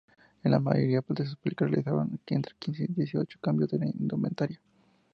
En la mayoría de sus películas realizaba entre quince y dieciocho cambios de indumentaria.